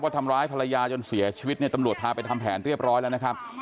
ทำร้ายภรรยาจนเสียชีวิตเนี่ยตำรวจพาไปทำแผนเรียบร้อยแล้วนะครับ